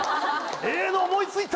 ええの思い付いた！